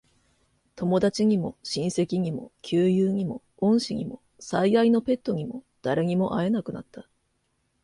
友達にも、親戚にも、旧友にも、恩師にも、最愛のペットにも、誰にも会えなくなった。